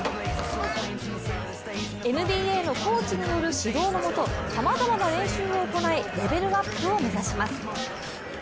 ＮＢＡのコーチによる指導のもとさまざまな練習を行いレベルアップを目指します。